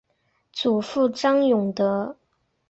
祖父张永德。